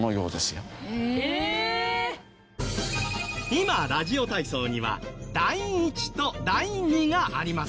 今ラジオ体操には「第１」と「第２」がありますよね。